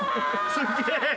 すげえ！